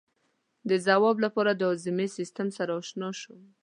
د ځواب لپاره د هاضمې سیستم سره آشنا شو.